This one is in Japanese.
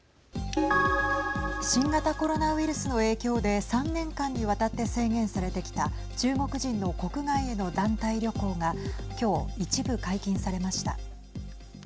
新型コロナウイルスの影響で３年間にわたって制限されてきた中国人の国外への団体旅行が今日一部解禁されました。